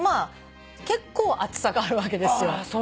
結構厚さがあるわけですよ。